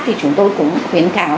thì chúng tôi cũng khuyến cáo